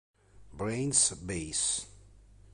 Brain's Base